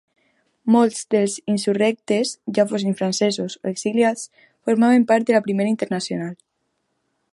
Molts dels insurrectes, ja fossin francesos o exiliats formaven part de la Primera Internacional.